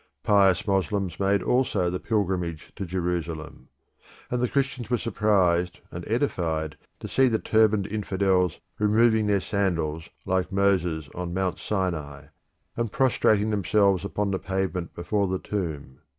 Pious Moslems made also the pilgrimage to Jerusalem; and the Christians were surprised and edified to see the turbaned infidels removing their sandals like Moses on Mount Sinai, and prostrating themselves upon the pavement before the tomb.